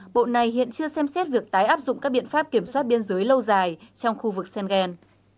bộ này hiện chưa xem xét việc tái áp dụng các biện pháp kiểm soát biên giới lâu dài trong khu vực schengen